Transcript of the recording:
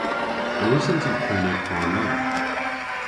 A wrussons i prena karr nowydh?